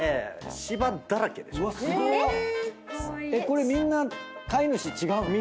これみんな飼い主違うの？